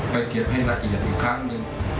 เก็บให้ละเอียดอีกครั้งหนึ่ง